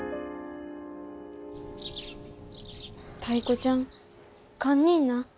タイ子ちゃん堪忍な。